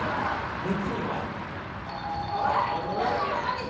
熱に弱い。